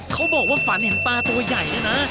เขาบอกว่าฝันเห็นปลาตัวใหญ่เนี่ยนะ